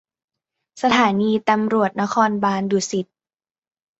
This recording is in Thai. สถานีตำรวจนครบาลดุสิต